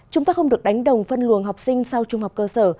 chúng ta không được đánh đồng phân luồng học sinh sau trung học cơ sở